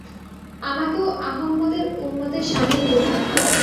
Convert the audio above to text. আমাকেও আহমদের উম্মতে শামিল করুন।